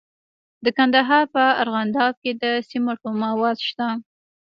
د کندهار په ارغنداب کې د سمنټو مواد شته.